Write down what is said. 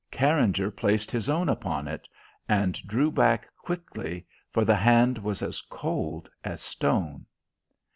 Carringer placed his own upon it, and drew back quickly, for the hand was as cold as stone!